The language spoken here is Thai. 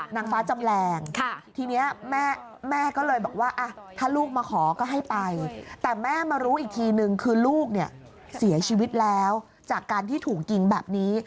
นางฟ้าจำแรงทีนี้แม่ก็เลยบอกว่าถ้าลูกมาขอก็ให้ไปแต่แม่มารู้อีกทีนึงคือลูกเนี่ยเสียชีวิตแล้วจากการที่ถูกยิงแบบนี้